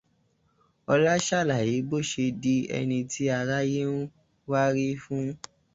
Ọlá ṣàlàyé bó ṣe di ẹni tí aráyé ń wárí fún.